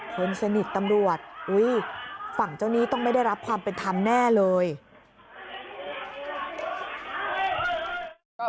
คนสนิทตำรวจอุ้ยฝั่งเจ้าหนี้ต้องไม่ได้รับความเป็นธรรมแน่เลย